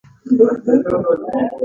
په پیل کې یې ډیر شهرت نه درلود.